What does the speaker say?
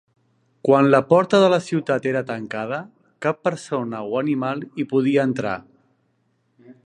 Quan la porta de la ciutat era tancada, cap persona o animal hi podia entrar.